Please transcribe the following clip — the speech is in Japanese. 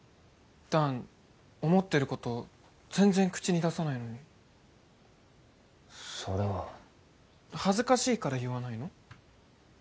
弾思ってること全然口に出さないのにそれは恥ずかしいから言わないの？